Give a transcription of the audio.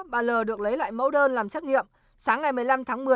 bà l được lấy lại mẫu đơn làm xét nghiệm sáng ngày một mươi năm tháng một mươi